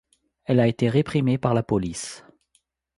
Elle a été réprimée par la police.